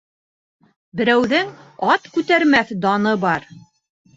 Берәүҙең ат күтәрмәҫ даны бар.